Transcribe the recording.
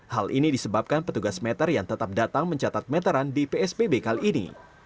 hal ini disebabkan petugas meter yang tetap datang mencatat meteran di psbb kali ini